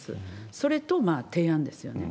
それと提案ですよね。